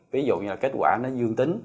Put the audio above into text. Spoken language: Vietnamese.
ví dụ như là kết quả nó dương tính